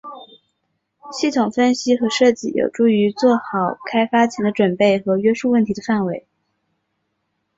系统分析和设计有助于做好开发前的准备和约束问题的范围。